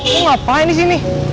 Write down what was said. kamu ngapain di sini